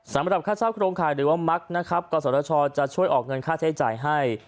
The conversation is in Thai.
สำหรับค่าเช่าโครงข่ายหรือว่ามักนะครับกศชจะช่วยออกเงินค่าใช้จ่ายให้